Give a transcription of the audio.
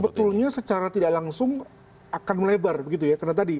sebetulnya secara tidak langsung akan melebar gitu ya